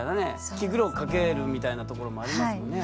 気苦労をかけるみたいなところもありますもんね。